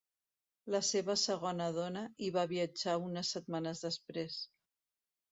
La seva segona dona hi va viatjar unes setmanes després.